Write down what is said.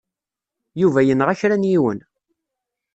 Yuba yenɣa kra n yiwen.